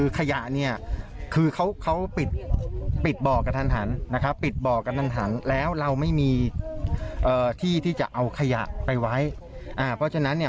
กับคนในเมืองใช่ไหมพี่